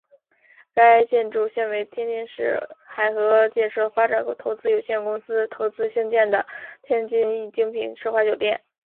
该建筑现为天津市海河建设发展投资有限公司投资兴建的天津易精品奢华酒店。